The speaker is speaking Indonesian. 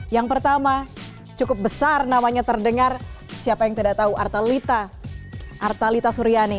yang pertama cukup besar namanya terdengar siapa yang tidak tahu artalita artalita suryani